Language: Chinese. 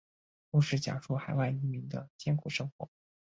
故事讲述海外移民的艰苦生活。